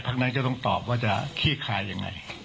พักนั้นจะต้องตอบว่าจะขี้คลายอย่างไร